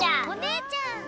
お姉ちゃん！